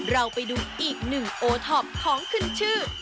เราไปดูอีกหนึ่งโอท็อปของขึ้นชื่อ